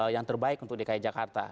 yang terbaik untuk dki jakarta